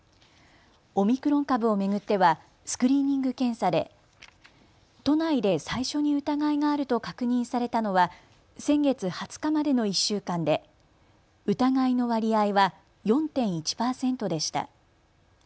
オミクロン株を巡ってはスクリーニング検査で都内で最初に疑いがあると確認されたのは先月２０日までの１週間で疑いの割合は４．１％でした。